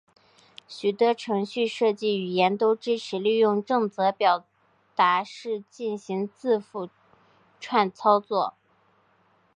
许多程序设计语言都支持利用正则表达式进行字符串操作。